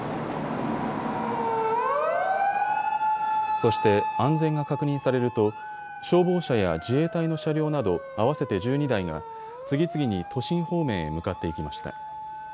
そして安全が確認されると消防車や自衛隊の車両など合わせて１２台が次々に都心方面へ向かっていきました。